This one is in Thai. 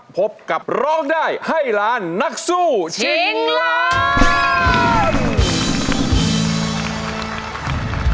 พบกับร้องได้ให้ล้านนักสู้ชิงล้าน